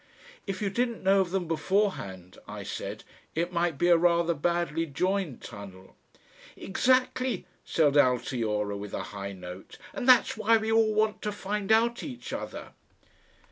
"If you didn't know of them beforehand," I said, "it might be a rather badly joined tunnel." "Exactly," said Altiora with a high note, "and that's why we all want to find out each other...."